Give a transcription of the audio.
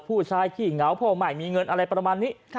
ผู้ชายที่เหงาโพงใหม่มีเงินอะไรประมาณนี้